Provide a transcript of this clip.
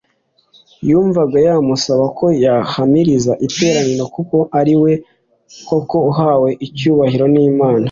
yumvaga yamusaba ko yahamiriza iteraniro ko ari we koko Uwahawe icyubahiro n’Imana